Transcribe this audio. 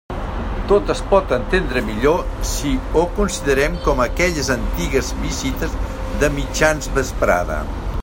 Tot es pot entendre millor si ho considerem com aquelles antigues visites de mitjan vesprada.